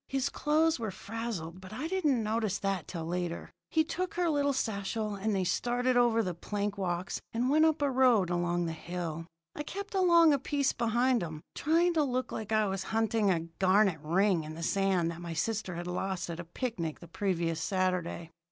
His clothes were frazzled, but I didn't notice that till later. He took her little satchel, and they started over the plank walks and went up a road along the hill. I kept along a piece behind 'em, trying to look like I was hunting a garnet ring in the sand that my sister had lost at a picnic the previous Saturday.